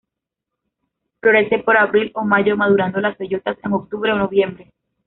Florece por abril o mayo, madurando las bellotas en octubre o noviembre.